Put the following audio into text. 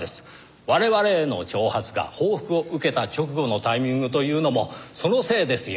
我々への挑発が報復を受けた直後のタイミングというのもそのせいですよ。